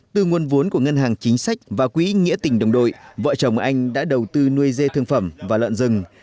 từ nguồn vốn của ngân hàng chính sách và quỹ nghĩa tình đồng đội vợ chồng anh đã đầu tư nuôi dê thương phẩm và lợn rừng